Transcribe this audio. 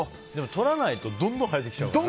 とらないとどんどん生えてきちゃうからね。